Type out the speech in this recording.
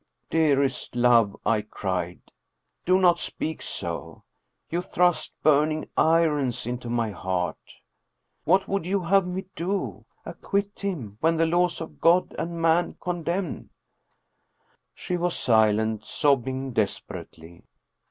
" Dearest love," I cried, " do not speak so. You thrust burning irons into my heart. What would you have me do? Acquit him, when the laws of God and man con demn?" She was silent, sobbing desperately.